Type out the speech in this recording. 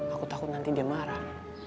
aku tahu nanti dia marah